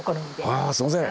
ああすみません。